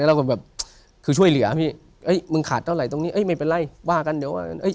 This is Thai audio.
แล้วแบบเอาแบบคือช่วยเหลือพี่ไอ้มึงขาดเท่าไหร่ตรงนี้ไม่เป็นไรว่ากันเดี๋ยว